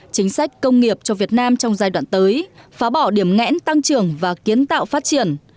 chính sách công nghiệp cho việt nam trong giai đoạn tới phá bỏ điểm ngẽn tăng trưởng và kiến tạo phát triển